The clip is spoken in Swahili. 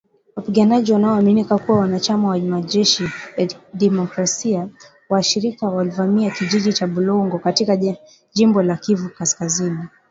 Wapiganaji wanaoaminika kuwa wanachama wa Majeshi ya demokrasia washirika walivamia kijiji cha Bulongo katika jimbo la Kivu kaskazini.